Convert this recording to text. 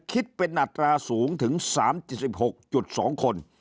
คิดเป็นอัตราสูงถึง๓๗๖๒คน